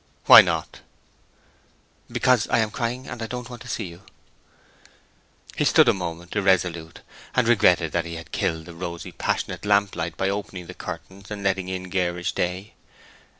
"Why not?" "Because I am crying, and I don't want to see you." He stood a moment irresolute, and regretted that he had killed the rosy, passionate lamplight by opening the curtains and letting in garish day.